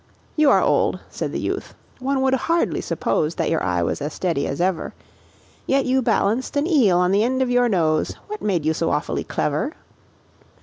"You are old," said the youth, "one would hardly suppose That your eye was as steady as ever; Yet you balanced an eel on the end of your nose What made you so awfully clever?"